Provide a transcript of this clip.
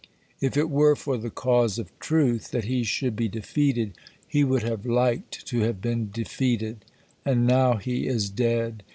If it were for the cause of Truth that he should be defeated, he would have liked to have been defeated. And now he is dead.